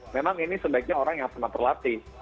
memang ini sebaiknya orang yang pernah terlatih